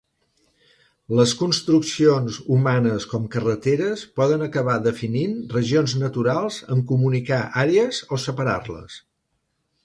Les construccions humanes com carreteres poden acabar definint regions naturals en comunicar àrees o separar-les.